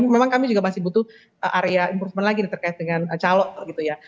memang kami juga masih butuh area improvement lagi nih terkait dengan calon gitu ya